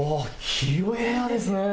広い部屋ですね。